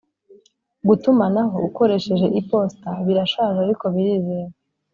gutumanaho ukoresheje iposita birashaje ariko birizewe